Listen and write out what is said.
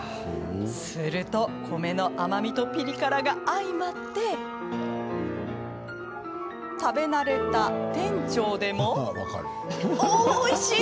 すると米の甘みとピリ辛が相まって食べ慣れた店長でもお、おいしい。